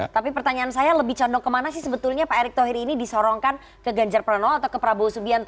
tapi pertanyaan saya lebih condong kemana sih sebetulnya pak erick thohir ini disorongkan ke ganjar pranowo atau ke prabowo subianto